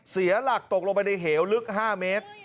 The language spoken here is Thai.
เสียหลักตกลงไปในเหวลึก๕เมตร